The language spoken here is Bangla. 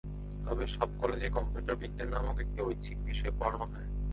তবে সব কলেজেই কম্পিউটার বিজ্ঞান নামের একটি ঐচ্ছিক বিষয় পড়ানো হয়।